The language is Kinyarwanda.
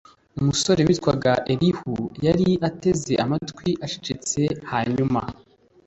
umusore witwaga elihu yari ateze amatwi acecetse hanyuma